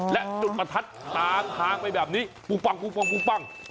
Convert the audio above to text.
และจุดประทัดตามทางไปแบบนี้ปุ้งปัง